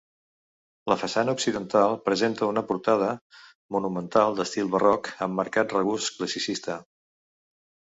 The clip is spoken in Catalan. La façana occidental presenta una portada monumental d'estil barroc amb marcat regust classicista.